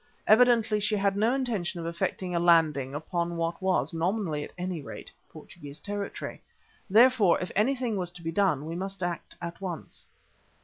Evidently she had no intention of effecting a landing upon what was, nominally at any rate, Portuguese territory. Therefore, if anything was to be done, we must act at once.